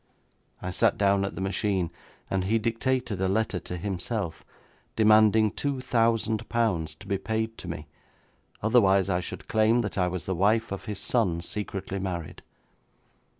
I sat down at the machine, and he dictated a letter to himself, demanding two thousand pounds to be paid to me, otherwise I should claim that I was the wife of his son, secretly married.